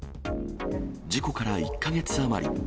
事故から１か月余り。